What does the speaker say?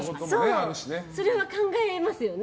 それは考えますよね。